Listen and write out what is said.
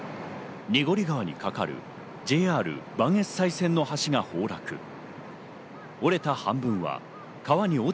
濁川にかかるＪＲ磐越西線の橋が崩落。